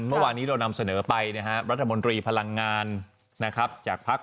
เมื่อวานนี้เรานำเสนอไปนะครับรัฐมนตรีพลังงานนะครับจากภักดิ์